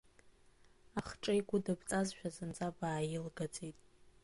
Ахҿа игәыдыбҵазшәа зынӡа бааилгаӡеит!